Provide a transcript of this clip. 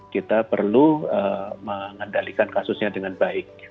kita perlu mengendalikan kasusnya dengan baik